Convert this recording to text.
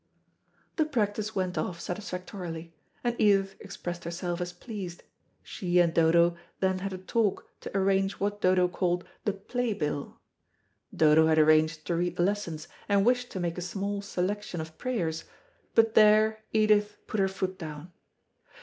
The practice went off satisfactorily, and Edith expressed herself as pleased. She and Dodo then had a talk to arrange what Dodo called the "Play bill." Dodo had arranged to read the lessons, and wished to make a small selection of prayers, but there Edith put her foot down.